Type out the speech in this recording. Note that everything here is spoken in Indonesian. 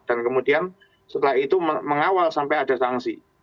dan kemudian setelah itu mengawal sampai ada sanksi